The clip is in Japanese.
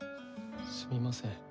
すみません